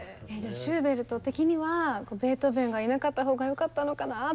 シューベルト的にはベートーベンがいなかった方がよかったのかなって。